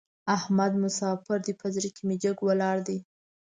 احمد مساپر دی؛ په زړه کې مې جګ ولاړ دی.